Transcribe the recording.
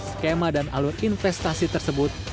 skema dan alur investasi tersebut